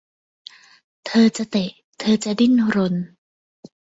เธอจะเตะ เธอจะดิ้นรน